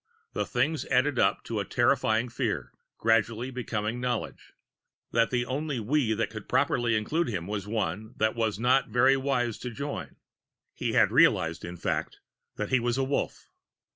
The things added up to a terrifying fear, gradually becoming knowledge, that the only we that could properly include him was one that it was not very wise to join. He had realized, in fact, that he was a Wolf.